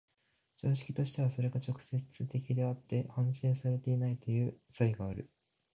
常識としてはそれが直接的であって反省されていないという差異がある。